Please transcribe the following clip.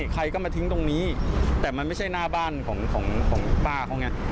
ใครก็มาทิ้งตรงนี้แต่มันไม่ใช่หน้าบ้านของป้าเขาไง